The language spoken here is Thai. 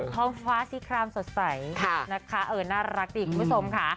ท้องฟ้าสีครามสดใสนะคะเออน่ารักดีคุณผู้ชมค่ะ